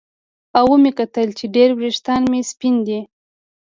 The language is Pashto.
او ومې کتل چې ډېر ویښتان مې سپین دي